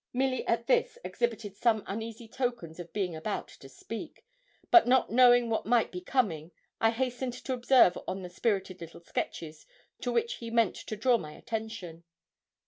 Milly at this exhibited some uneasy tokens of being about to speak, but not knowing what might be coming, I hastened to observe on the spirited little sketches to which he meant to draw my attention.